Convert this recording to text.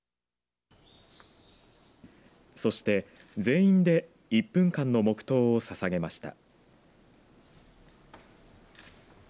そして全員で１分間の黙とうをささげました。